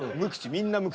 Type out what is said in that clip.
みんな無口。